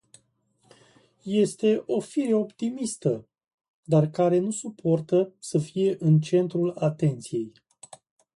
Este o fire optimistă, dar care nu suportă să fie în centrul atenției.